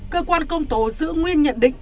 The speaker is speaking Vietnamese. cơ quan công tố giữ nguyên nhận định